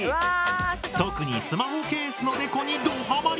特にスマホケースのデコにどハマり！